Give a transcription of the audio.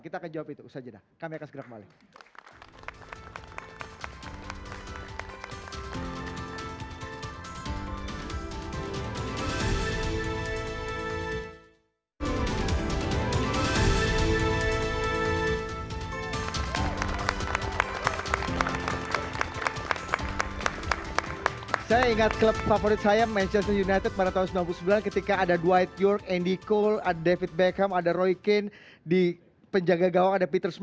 kita akan jawab itu